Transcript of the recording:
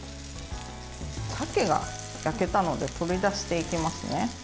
鮭が焼けたので取り出していきますね。